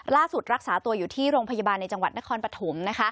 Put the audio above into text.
รักษาตัวอยู่ที่โรงพยาบาลในจังหวัดนครปฐม